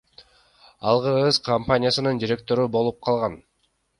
Ал кыргыз компаниясынын директору болуп калган.